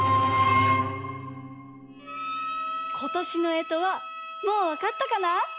ことしのえとはもうわかったかな？